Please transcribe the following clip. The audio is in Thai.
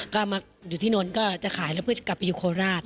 ก็มาอยู่ที่นนท์ก็จะขายแล้วเพื่อจะกลับไปอยู่โคราช